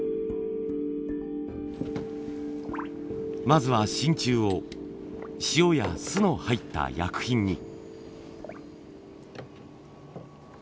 まずは真鍮を塩や酢の入った薬品に。